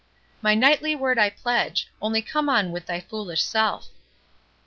"My knightly word I pledge; only come on with thy foolish self."